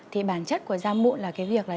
thì bản chất của da mụn là